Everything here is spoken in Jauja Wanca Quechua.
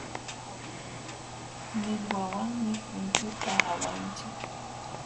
Millwawanmi punchuta awanchik.